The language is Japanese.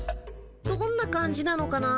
どんな感じなのかな。